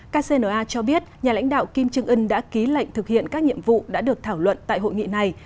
theo kcna nhà lãnh đạo kim trương ân đã ký lệnh thực hiện các nhiệm vụ đã được thảo luận tại hội nghị này